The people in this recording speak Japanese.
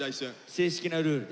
正式なルールで。